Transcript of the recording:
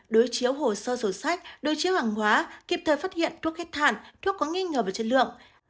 đối chiếu hồ sơ sổ sách đối chiếu hàng hóa kịp thời phát hiện thuốc hết thản thuốc có nghi ngờ về chất lượng